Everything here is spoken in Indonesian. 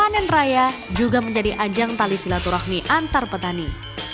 dan raya juga menjadi ajang tali silaturahmi antar petani